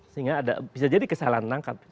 sehingga ada bisa jadi kesalahan menangkap